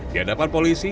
di hadapan polisi